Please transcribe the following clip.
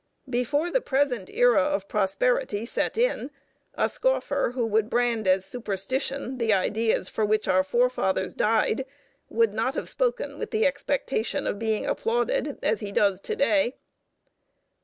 Before the present era of prosperity set in, a scoffer who would brand as superstition the ideas for which our forefathers died would not have spoken with the expectation of being applauded, as he does to day.